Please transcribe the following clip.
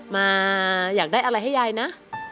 มาอยากได้อะไรให้ยายนะ